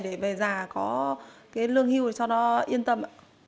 để về già có cái lương hưu cho nó yên tâm ạ